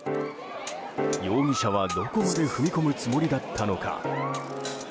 容疑者は、どこまで踏み込むつもりだったのか。